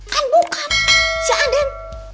kan bukan si aden